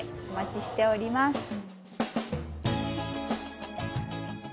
お待ちしております。